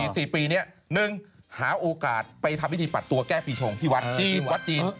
สี่ปีนี้หนึ่งหาโอกาสไปทำพิธีปัดตัวแก้ปีชงที่วัดจีนวัดจีน